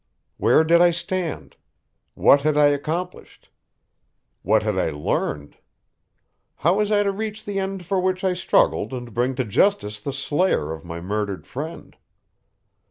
Where did I stand? What had I accomplished? What had I learned? How was I to reach the end for which I struggled and bring to justice the slayer of my murdered friend?